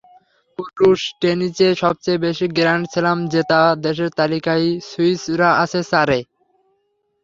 পুরুষ টেনিসে সবচেয়ে বেশি গ্র্যান্ড স্লাম জেতা দেশের তালিকায় সুইসরা আছে চারে।